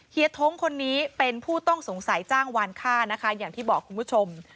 ท้งคนนี้เป็นผู้ต้องสงสัยจ้างวานค่านะคะอย่างที่บอกคุณผู้ชม